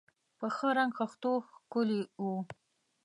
په ښه رنګ خښتو ښکلي و.